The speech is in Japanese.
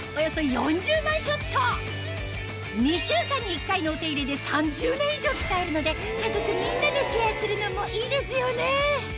２週間に１回のお手入れで３０年以上使えるので家族みんなでシェアするのもいいですよね